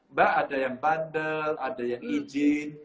mbak ada yang bandel ada yang izin